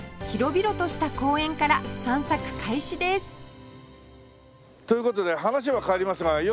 広々とした公園から散策開始ですという事で話は変わりますが４００